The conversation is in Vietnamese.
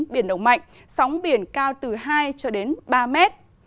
biển đông mạnh sóng biển cao từ hai ba mét